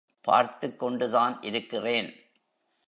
பார்த்துக் கொண்டுதான் இருக்கிறேன்.